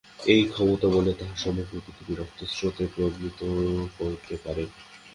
এই ক্ষমতাবলে তাহারা সমগ্র পৃথিবী রক্তস্রোতে প্লাবিত করিতে পারে।